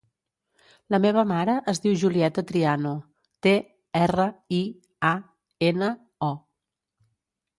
La meva mare es diu Julieta Triano: te, erra, i, a, ena, o.